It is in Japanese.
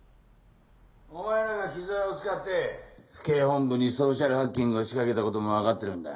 お前らが木沢を使って府警本部にソーシャルハッキングを仕掛けた事もわかってるんだ。